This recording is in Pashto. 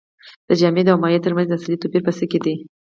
د جامد او مایع ترمنځ اصلي توپیر په څه کې دی